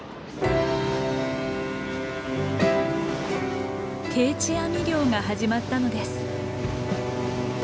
定置網漁が始まったのです。